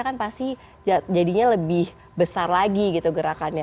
kan pasti jadinya lebih besar lagi gitu gerakannya